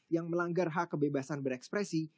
yang melanggar hak kebebasan berekspresi